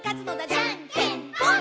「じゃんけんぽん！！」